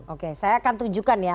oke saya akan tunjukkan ya